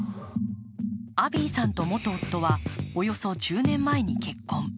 アビーさんと元夫はおよそ１０年前に結婚。